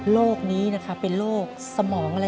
โรคนี้นะคะเป็นโรคสมองอะไรนะแม่